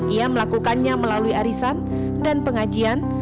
ia melakukannya melalui arisan dan pengajian